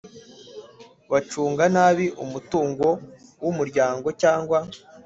bacunga nabi umutungo w Umuryango cyangwa